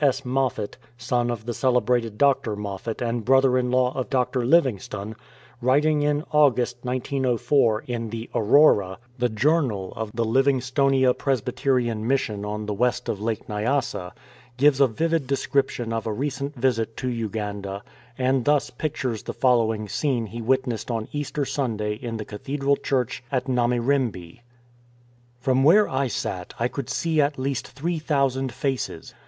S. Moffat, son of the celebrated Dr. Moffat and brother in law of Dr. Livingstone, writing in August, 1904, in the Aurora, the journal of the Livingstonia 115 AN EASTER SUNDAY Presbyterian Mission on the west of Lake Nyasa, gives a vivid description of a recent visit to Uganda, and thus pictures the scene he witnessed on Easter Sunday in the Cathedral Church at Namirembe :—" From where I sat I could see at least three thousand faces.